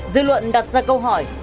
dư luận đặt ra câu hỏi